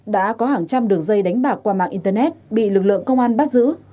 đã có hàng trăm đường dây đánh bạc qua mạng internet bị lực lượng công an bắt giữ